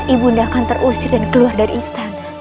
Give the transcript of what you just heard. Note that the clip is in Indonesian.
ibu nda akan terusir dan keluar dari istana